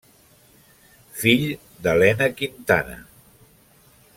Fill d'Elena Quintana.